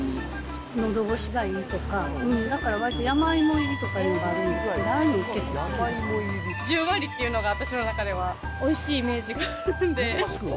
のど越しがいいとか、だからわりと山芋入りとかあるんですけど、ああいうの結構好きで十割っていうのが、私の中ではおいしいイメージがあるので。